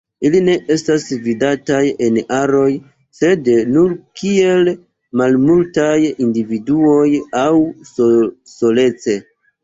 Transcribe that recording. Ili ne estas vidataj en aroj, sed nur kiel malmultaj individuoj aŭ solece.